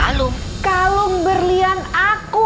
jadi lu mau nyamperin aku